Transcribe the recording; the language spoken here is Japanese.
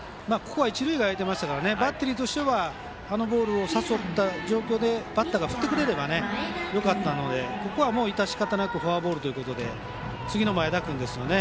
一塁、空いていたのでバッテリーとしてはあのボールを誘った状況でバッターが振ってくれればよかったので致し方なくフォアボールで次の前田君ですね。